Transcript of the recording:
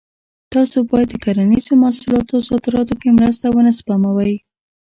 تاسو باید د کرنیزو محصولاتو صادراتو کې مرسته ونه سپموئ.